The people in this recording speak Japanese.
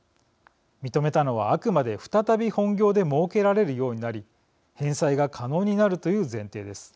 認めたのは、あくまで再び本業でもうけられるようになり返済が可能になるという前提です。